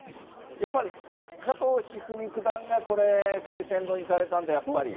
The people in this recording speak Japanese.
やっぱり加藤一二三九段がこれ、海鮮丼いかれたんで、やっぱり。